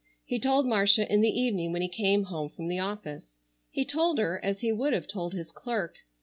He told Marcia in the evening when he came home from the office. He told her as he would have told his clerk.